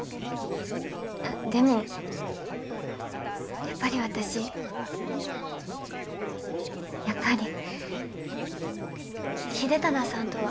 あでもやっぱり私やっぱり秀忠さんとは。